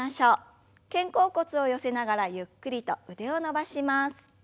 肩甲骨を寄せながらゆっくりと腕を伸ばします。